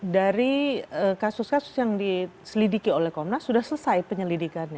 dari kasus kasus yang diselidiki oleh komnas sudah selesai penyelidikannya